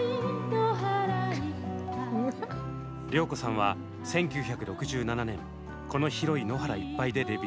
良子さんは１９６７年「この広い野原いっぱい」でデビュー。